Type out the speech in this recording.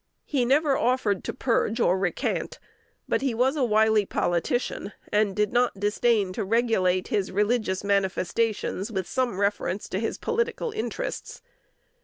He never offered to purge or recant; but he was a wily politician, and did not disdain to regulate his religious manifestations with some reference to his political interests.